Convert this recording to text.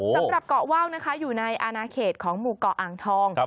สำหรับเกาะว่าวนะคะอยู่ในอนาเขตของหมู่เกาะอ่างทอง